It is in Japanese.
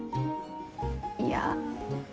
いや。